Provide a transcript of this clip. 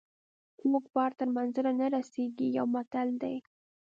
کوږ بار تر منزله نه رسیږي یو متل دی.